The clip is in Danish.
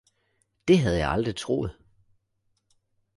Det havde jeg aldrig troet